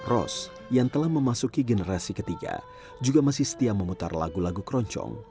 ros yang telah memasuki generasi ketiga juga masih setia memutar lagu lagu keroncong